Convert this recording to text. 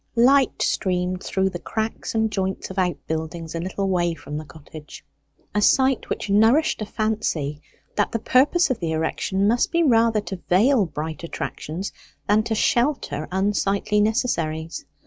Light streamed through the cracks and joints of outbuildings a little way from the cottage, a sight which nourished a fancy that the purpose of the erection must be rather to veil bright attractions than to shelter unsightly necessaries.